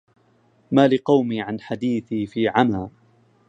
ما لقومي عن حديثي في عما